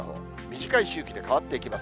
短い周期で変わっていきます。